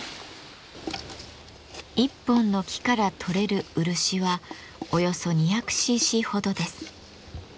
一本の木からとれる漆はおよそ２００ｃｃほどです。